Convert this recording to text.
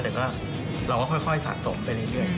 แต่ก็เราก็ค่อยสะสมไปเรื่อย